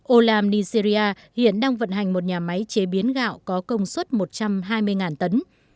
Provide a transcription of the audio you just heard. olam nigeria hiện đang vận hành một nhà máy chế biến gạo có công suất một trăm hai mươi tấn